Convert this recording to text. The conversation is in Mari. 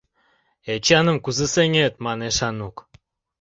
— Эчаным кузе сеҥет, — манеш Анук.